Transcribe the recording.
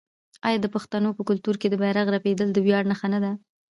آیا د پښتنو په کلتور کې د بیرغ رپیدل د ویاړ نښه نه ده؟